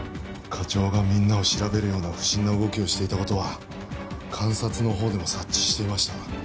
課長がみんなを調べるような不審な動きをしていたことは監察の方でも察知していました